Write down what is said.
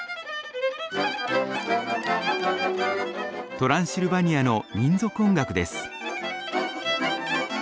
トランシルバニアの民族音楽です。